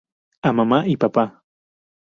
A mamá y papá.